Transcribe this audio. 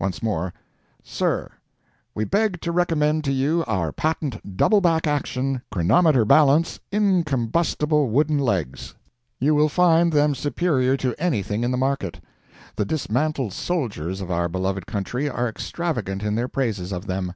Once more: "SIR: We beg to recommend to you our patent double back action, chronometer balance, incombustible wooden legs. You will find them superior to anything in the market. The dismantled soldiers of our beloved country are extravagant in their praises of them.